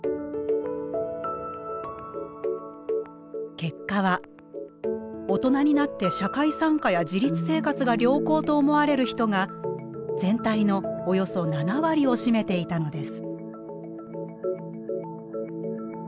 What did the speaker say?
結果は大人になって社会参加や自立生活が良好と思われる人が全体のおよそ７割を占めていたのです。